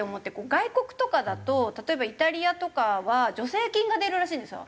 外国とかだと例えばイタリアとかは助成金が出るらしいんですよ。